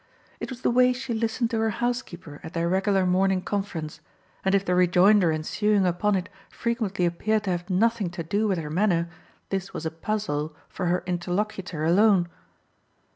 It was the way she listened to her housekeeper at their regular morning conference, and if the rejoinder ensuing upon it frequently appeared to have nothing to do with her manner this was a puzzle for her interlocutor alone.